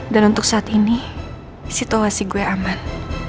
dan untuk saat ini situasi gue aman